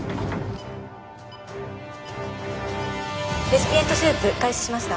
レシピエント手術開始しました。